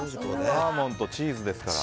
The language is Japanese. サーモンとチーズですから。